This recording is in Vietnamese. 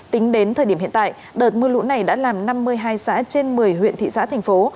tính đến thời điểm hiện tại đợt mưa lũ này đã làm năm mươi hai xã trên một mươi huyện thị xã thành phố